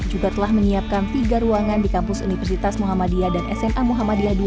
juga telah menyiapkan tiga ruangan di kampus universitas muhammadiyah dan sma muhammadiyah ii